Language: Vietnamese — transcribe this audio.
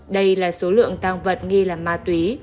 đây là số lượng tăng vật nghi là ma túy